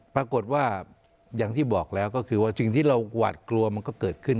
ปรากฏว่าอย่างที่บอกแล้วก็คือว่าสิ่งที่เราหวาดกลัวมันก็เกิดขึ้น